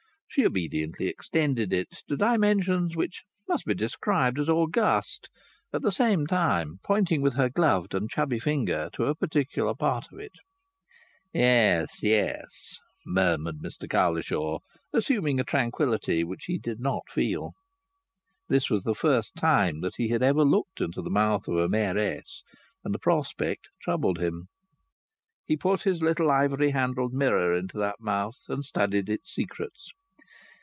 She obediently extended it to dimensions which must be described as august, at the same time pointing with her gloved and chubby finger to a particular part of it. "Yes, yes," murmured Mr Cowlishaw, assuming a tranquillity which he did not feel. This was the first time that he had ever looked into the mouth of a Mayoress, and the prospect troubled him. He put his little ivory handled mirror into that mouth and studied its secrets.